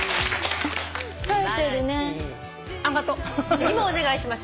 次もお願いします。